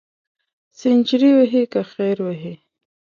سینچري وهې که خیر وي.